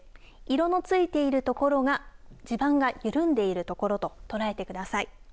色のついている所が地盤が緩んでいる所と捉えてください。